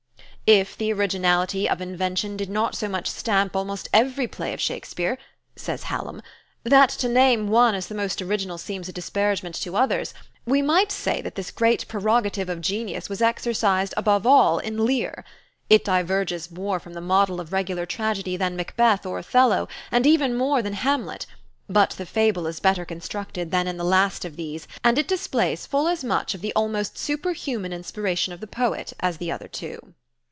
"If the originality of invention did not so much stamp almost every play of Shakespeare," says Hallam, "that to name one as the most original seems a disparagement to others, we might say that this great prerogative of genius, was exercised above all in 'Lear.' It diverges more from the model of regular tragedy than 'Macbeth,' or 'Othello,' and even more than 'Hamlet,' but the fable is better constructed than in the last of these and it displays full as much of the almost superhuman inspiration of the poet as the other two."